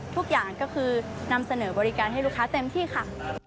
ทุกอย่างก็คือนำเสนอบริการให้ลูกค้าเต็มที่ค่ะ